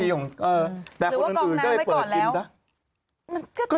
หรือว่ากองน้ำไว้ก่อนแล้วแต่คนอื่นได้เปิดกิน